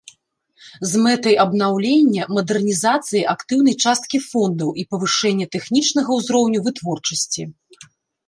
З мэтай абнаўлення, мадэрнізацыі актыўнай часткі фондаў і павышэння тэхнічнага ўзроўню вытворчасці.